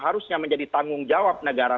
harusnya menjadi tanggung jawab negara